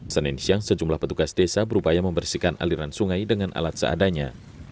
senin siang sejumlah petugas desa berupaya membersihkan aliran sungai dengan alat seadanya